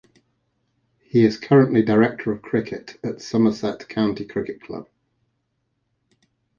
He is currently Director of Cricket at Somerset County Cricket Club.